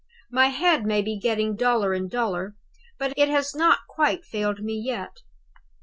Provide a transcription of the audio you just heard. My head may be getting duller and duller, but it has not quite failed me yet.